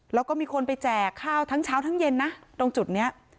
แล้วก็มีคนไปแจกข้าวทั้งเช้าทั้งเย็นนะตรงจุดนี้